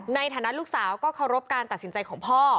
ในฐานะลูกสาวก็เคารพการตัดสินใจของพ่อ